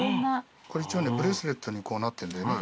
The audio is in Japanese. これ一応ブレスレットになってんだよね。